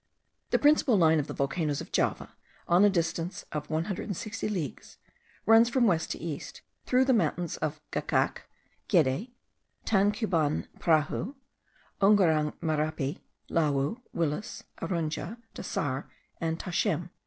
The principal line of the volcanoes of Java, on a distance of 160 leagues, runs from west to east, through the mountains of Gagak, Gede, Tankuban Prahu, Ungarang Merapi, Lawu, Wilis, Arjuna, Dasar, and Tashem.)